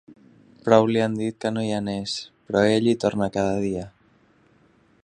Prou li han dit que no hi anés, però ell hi torna cada dia.